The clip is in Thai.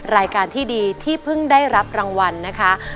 รายการที่ดีที่เพิ่งได้รับรางวัลนะคะ